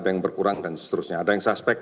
ada yang berkurang dan seterusnya ada yang suspek